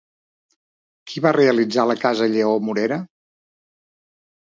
Qui va realitzar la casa Lleó Morera?